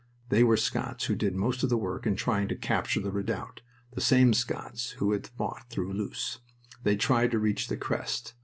They were Scots who did most of the work in trying to capture the redoubt, the same Scots who had fought through Loos. They tried to reach the crest.